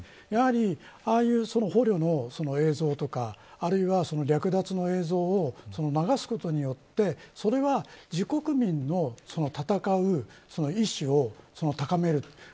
やはりああいう捕虜の映像とかあるいは略奪の映像を流すことによってそれは、自国民の戦う意思を高める。